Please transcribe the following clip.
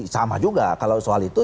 sama juga kalau soal itu